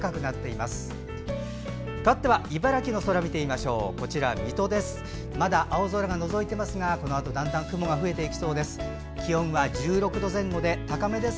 まだ青空がのぞいていますがこのあとだんだん雲が増えていきそうです。